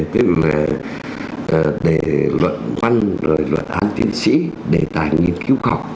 tức là để luận văn rồi luận án tiến sĩ đề tài nghiên cứu khoa học